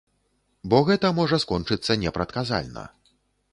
Бо гэта можна скончыцца непрадказальна.